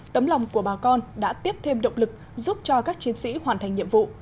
tấm lòng của bà con đã tiếp thêm động lực giúp cho các chiến sĩ hoàn thành nhiệm vụ